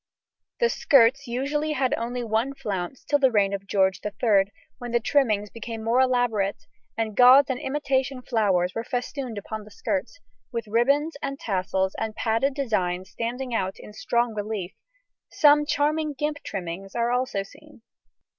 The skirts usually had only one flounce till the reign of George III, when the trimmings became more elaborate, and gauze and imitation flowers were festooned upon the skirts, with ribbons and tassels and padded designs standing out in strong relief; some charming gimp trimmings are also seen.